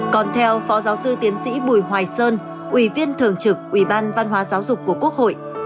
còn theo phó giáo sư tiến sĩ bùi hoài sơn ủy viên thường trực ủy ban văn hóa giáo dục của quốc hội